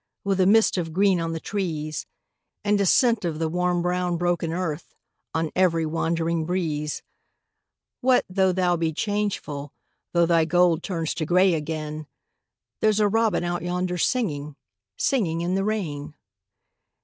With a mist of green on the trees And a scent of the warm brown broken earth On every wandering breeze; What, though thou be changeful, Though thy gold turns to grey again, There's a robin out yonder singing, Singing in the rain.